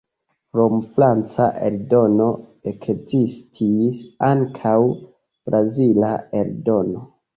Krom franca eldono, ekzistis ankaŭ brazila eldono.